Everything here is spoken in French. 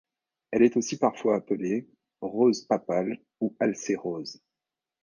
Elle est aussi parfois appelée Rose papale ou Alcée rose.